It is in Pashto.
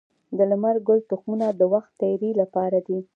د لمر ګل تخمونه د وخت تیري لپاره دي.